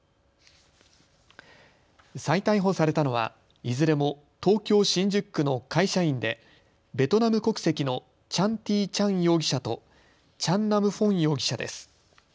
再逮捕されたのはいずれも東京新宿区の会社員でベトナム国籍のチャン・ティー・チャン容疑者とチャン・ナム・フォン容疑者です。